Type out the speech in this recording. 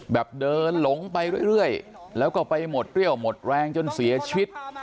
แบบเดินหลงไปเรื่อยแล้วก็ไปหมดเรี่ยวหมดแรงจนเสียชีวิต